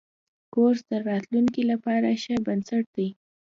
کورس د راتلونکي لپاره ښه بنسټ دی.